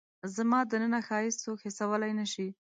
زما دننه ښایست څوک حسولای نه شي